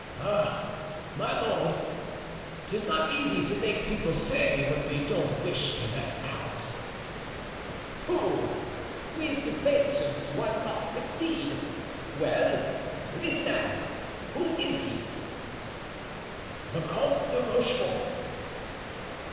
"Ah, my lord, 'tis not easy to make people say what they don't wish to let out." "Pooh! with patience one must succeed. Well, this man. Who is he?" "The Comte de Rochefort."